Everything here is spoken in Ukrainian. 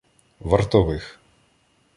вартових.